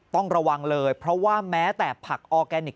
ต้องระวังเลยเพราะว่าแม้แต่ผักออร์แกนิค